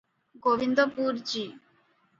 Gobindpur G.